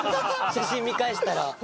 写真見返したら。